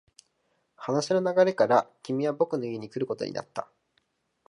話の流れから、君は僕の家に来ることになった。